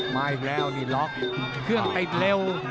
มาอีกแล้วนี่ล็อกเครื่องติดเร็ว